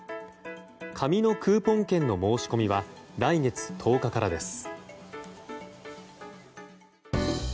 紙のクーポン券の申し込みは来月１０日からです。